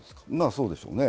そうでしょうね。